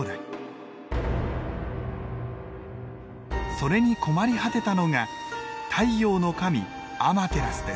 それに困り果てたのが太陽の神アマテラスです。